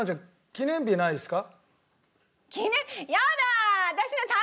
記念日ないですか？